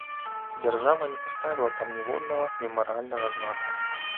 Дзяржава не паставіла там ніводнага мемарыяльнага знака.